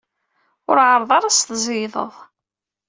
Ur ɛerreḍ ara ad s-tzeyydeḍ!